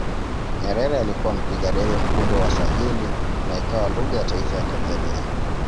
Nyerere alikuwa mpiga debe mkubwa wa Swahili na ikawa lugha ya taifa ya Tanzania